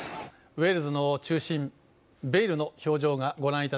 ウェールズの中心ベイルの表情でした。